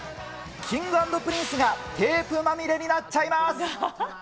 Ｋｉｎｇ＆Ｐｒｉｎｃｅがテープまみれになっちゃいます。